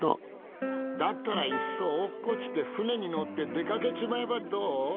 だったらいっそ落っこちて船に乗って出かけちまえばどう？